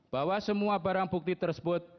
bahwa semua barang bukti tersebut